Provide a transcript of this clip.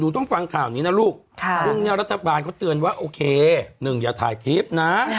ต้องฟังข่าวนี้นะลูกซึ่งเนี่ยรัฐบาลเขาเตือนว่าโอเคหนึ่งอย่าถ่ายคลิปนะ